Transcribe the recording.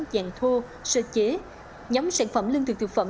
dạng thô sơ chế nhóm sản phẩm lương thực thực phẩm